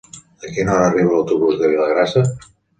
A quina hora arriba l'autobús de Vilagrassa?